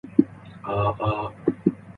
Cape Recife is popular with surfers and divers.